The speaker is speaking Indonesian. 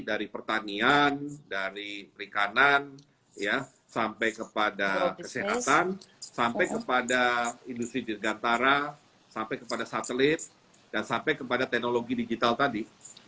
dari pertanian dari perikanan sampai kepada kesehatan sampai kepada industri dirgantara sampai kepada satelit dan sampai kepada teknologi digital tadi